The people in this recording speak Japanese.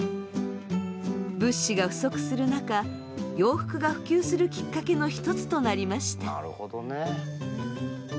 物資が不足する中洋服が普及するきっかけの一つとなりました。